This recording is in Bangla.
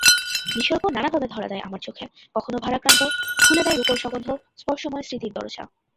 নিসর্গ নানাভাবে ধরা দেয় আমার চোখে—কখনো ভারাক্রান্ত, খুলে দেয় রূপরসগন্ধ—স্পর্শময় স্মৃতির দরোজা।